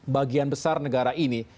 bagian besar negara ini